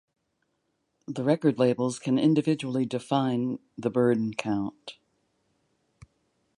The record labels can individually define the burn count.